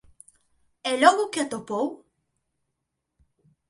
E logo que atopou?